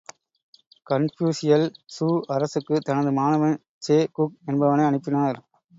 கன்பூசியல், Chu அரசுக்கு தனது மாணவன் ட்சே குக் என்பவனை அனுப்பினார்.